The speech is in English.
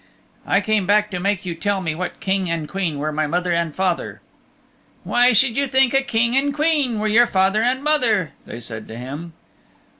"I came back to make you tell me what Queen and King were my mother and father." "Why should you think a King and Queen were your father and mother?" they said to him.